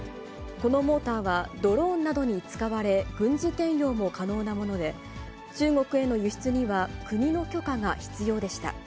このモーターはドローンなどに使われ、軍事転用も可能なもので、中国への輸出には、国の許可が必要でした。